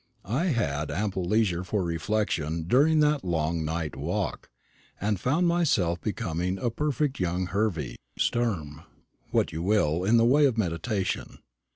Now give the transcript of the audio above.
I had ample leisure for reflection during that long night walk, and found myself becoming a perfect Young Hervey Sturm what you will, in the way of meditation.